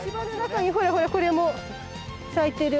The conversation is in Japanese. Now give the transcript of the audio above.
ほらほらこれも咲いてる。